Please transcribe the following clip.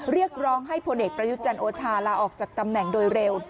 เรียกร้องให้พลเอกประยุทธ์จันทร์โอชาลาออกจากตำแหน่งโดยเร็ว